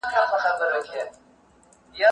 سياستپوهان د ټولني بدلون څارلی دی.